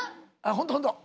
ホントホント。